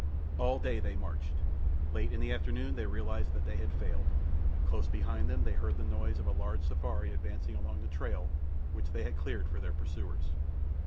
All day they marched. Late in the afternoon they realized that they had failed. Close behind them they heard the noise of a large safari advancing along the trail which they had cleared for their pursuers.